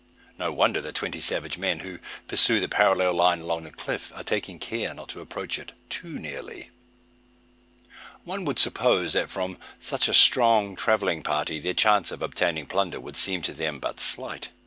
No wonder the twenty savage men, who pursue the parallel line along the cliff, are taking care not to approach it too nearly. One would suppose that from such a strong travelling party their chance of obtaining plunder would seem to them but slight.